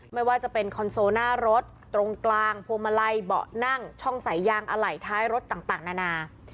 ไม่ว่าจะเป็นคอนโซลหน้ารถตรงกลางพวงมาลัยเบาะนั่งช่องสายยางอะไหล่ท้ายรถต่างนานา